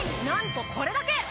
なんとこれだけ！